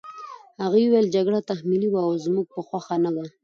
هغه وویل جګړه تحمیلي وه او زموږ په خوښه نه وه